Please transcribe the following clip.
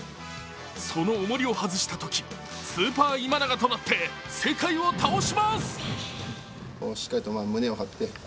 そのおもりを外したとき、スーパー今永となって世界を倒します。